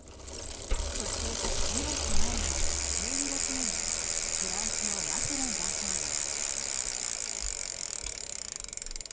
そして２列前の１２列目にフランスのマクロン大統領。